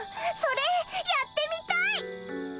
それやってみたい！